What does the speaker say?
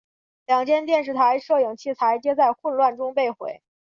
两间电视台摄影器材皆在混乱中被毁。